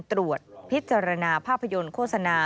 ตรวจพิจารณาภาพยนตร์โฆษณา